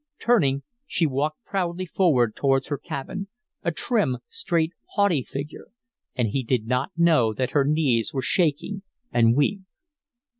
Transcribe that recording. Turning, she walked proudly forward towards her cabin, a trim, straight, haughty figure; and he did not know that her knees were shaking and weak.